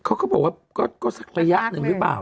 เขาก็บอกว่าก็สักระยะหนึ่งหรือเปล่า